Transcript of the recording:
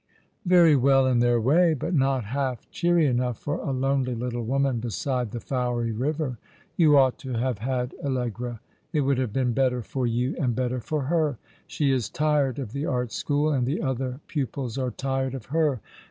" Yery well in their way, but not half cheery enough for a lonely little woman beside the Fowcy river. You ought to have had Allegra. It would have been better for you and better for her. She is tired of the Art school ; and the other pupils are tired of her.